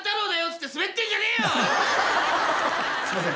すいません。